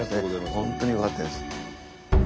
本当によかったです。